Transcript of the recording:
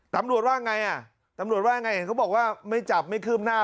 ตำรวจว่าไงอ่ะตำรวจว่าไงเห็นเขาบอกว่าไม่จับไม่คืบหน้า